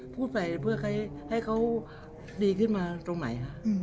พูดใส่เพื่อให้เขาดีขึ้นมาตรงไหน